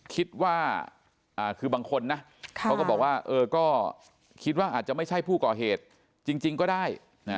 คิดว่าคือบางคนนะเขาก็บอกว่าก็คิดว่าอาจจะไม่ใช่ผู้ก่อเหตุจริงก็ได้